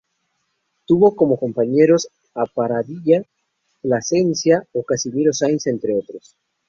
Tuvo como compañeros a Pradilla, Plasencia o Casimiro Sainz, entre otros.